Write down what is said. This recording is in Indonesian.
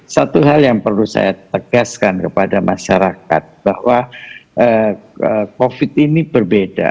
satu hal yang perlu saya tegaskan kepada masyarakat bahwa covid ini berbeda